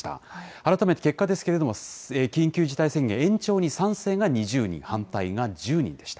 改めて結果ですけれども、緊急事態宣言延長に賛成が２０人、反対が１０人でした。